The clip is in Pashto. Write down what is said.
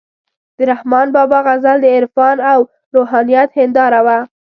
د رحمان بابا غزل د عرفان او روحانیت هنداره وه،